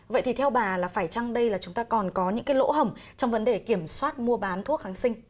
vậy thì theo bà là phải chăng đây là chúng ta còn có những cái lỗ hỏng trong vấn đề kiểm soát mua bán thuốc kháng sinh